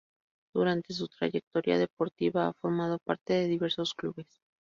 Durante su trayectoria deportiva ha formado parte de diversos clubes.